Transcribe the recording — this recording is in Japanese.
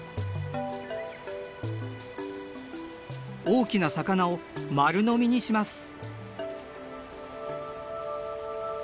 大きな魚を丸飲みにします。